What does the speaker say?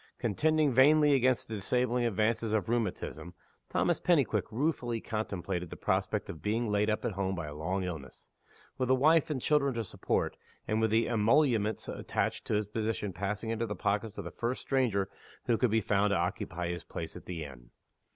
Contending vainly against the disabling advances of rheumatism, Thomas Pennyquick ruefully contemplated the prospect of being laid up at home by a long illness with a wife and children to support, and with the emoluments attached to his position passing into the pockets of the first stranger who could be found to occupy his place at the inn.